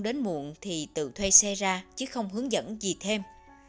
nếu anh đến muộn thì tự thuê xe ra chứ không hướng dẫn gì thêm